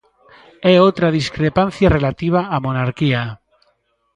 E outra discrepancia relativa á monarquía.